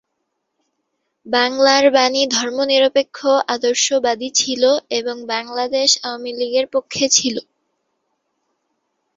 বাংলার বাণী ধর্মনিরপেক্ষ আদর্শবাদী ছিল এবং বাংলাদেশ আওয়ামী লীগ এর পক্ষে ছিল।